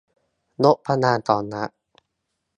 งบประมาณของรัฐ